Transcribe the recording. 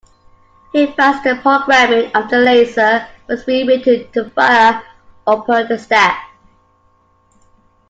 He finds the programming of the laser was rewritten to fire upon the staff.